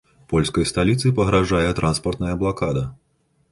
Польскай сталіцы пагражае транспартная блакада.